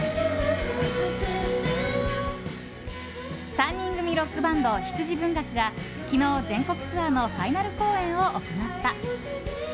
３人組ロックバンド、羊文学が昨日、全国ツアーのファイナル公演を行った。